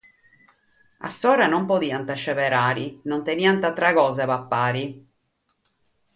Insandus non podiant seberare, non teniant àtera cosa de papare.